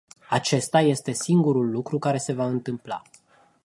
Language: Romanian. Acesta este singurul lucru care se va întâmpla.